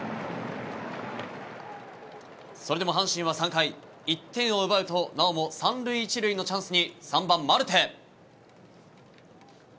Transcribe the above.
それでも阪神は３回１点を奪うとなおも３塁１塁のチャンスに３番、マルテ。